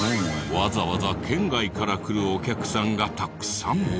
わざわざ県外から来るお客さんがたくさん！